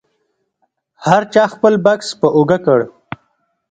هر چا خپل بکس په اوږه کړ.